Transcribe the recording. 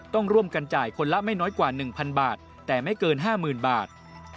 ต้องร่วมกันจ่ายคนละไม่น้อยกว่า๑๐๐บาทแต่ไม่เกิน๕๐๐๐บาท